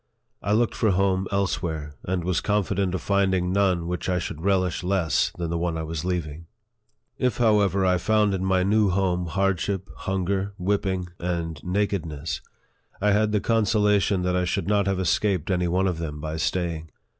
I looked for home else where, and was confident of finding none which I should relish less than the one which I was leaving. If, however, I found in my new home hardship, hun ger, whipping, and nakedness, I had the consolation that I should not have escaped any one of them by staying.